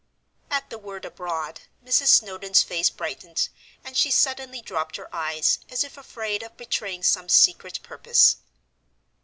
At the word "abroad," Mrs. Snowdon's face brightened, and she suddenly dropped her eyes, as if afraid of betraying some secret purpose.